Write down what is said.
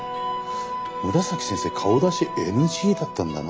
紫先生顔出しＮＧだったんだな。